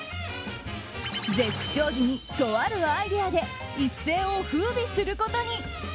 絶不調時に、とあるアイデアで一世を風靡することに。